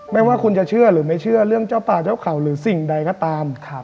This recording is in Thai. ไม่ว่าคุณจะเชื่อหรือไม่เชื่อเรื่องเจ้าป่าเจ้าเขาหรือสิ่งใดก็ตาม